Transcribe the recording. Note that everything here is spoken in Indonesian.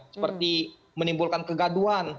seperti menimbulkan kegaduan